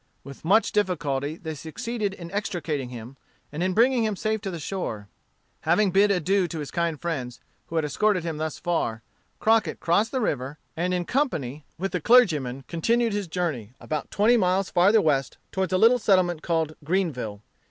With much difficulty they succeeded in extricating him, and in bringing him safe to the shore. Having bid adieu to his kind friends, who had escorted him thus far, Crockett crossed the river, and in company with the clergyman continued his journey, about twenty miles farther west toward a little settlement called Greenville.